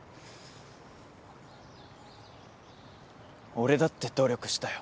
俺だって努力したよ。